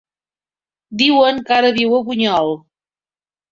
Diuen que ara viu a Bunyol.